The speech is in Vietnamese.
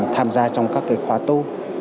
tham gia trong các khoa tu